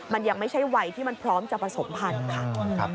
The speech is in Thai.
มันยังไม่ใช่วัยที่มันพร้อมจะผสมพันธุ์ค่ะ